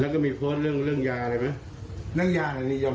แล้วก็มีโพสต์เรื่องยาอะไรไหม